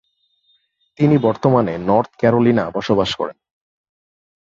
তিনি বর্তমানে North Carolina বসবাস করেন।